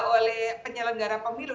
oleh penyelenggara pemilu